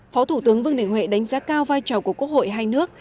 phó thủ tướng vương đình huệ đánh giá cao vai trò của quốc hội hai nước